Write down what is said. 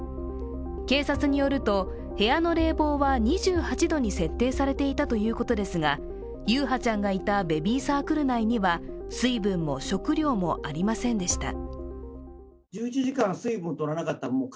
警察によると、部屋の冷房は２８度に設定されていたということですが優陽ちゃんがいたベビーサークル内には水分も食料もありませんでした。